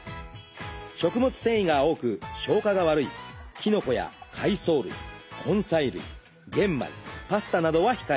食物繊維が多く消化が悪いきのこや海藻類根菜類玄米パスタなどは控えめに。